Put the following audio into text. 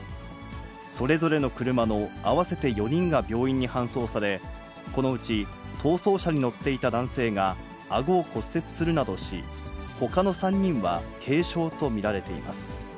それぞれの車の合わせて４人が病院に搬送され、このうち逃走車に乗っていた男性があごを骨折するなどし、ほかの３人は軽傷と見られています。